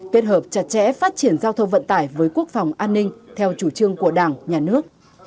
kết hợp chặt chẽ phát triển giao thông vận tải với quốc phòng an ninh theo chủ trương của đảng nhà nước